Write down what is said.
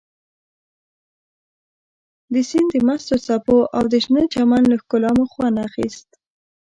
د سیند د مستو څپو او د شنه چمن له ښکلا مو خوند اخیست.